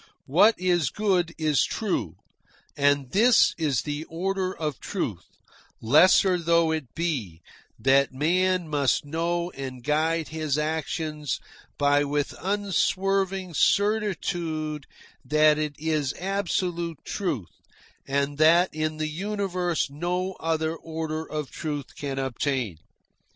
What is good is true. And this is the order of truth, lesser though it be, that man must know and guide his actions by with unswerving certitude that it is absolute truth and that in the universe no other order of truth can obtain.